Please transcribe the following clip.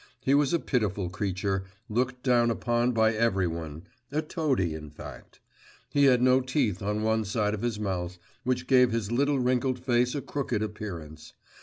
He was a pitiful creature, looked down upon by every one; a toady, in fact. He had no teeth on one side of his mouth, which gave his little wrinkled face a crooked appearance.